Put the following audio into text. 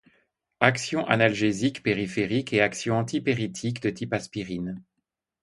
Action analgésique périphérique et action antipyrétique de type aspirine.